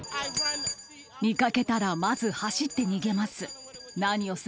見かけたら、まず走って逃げます。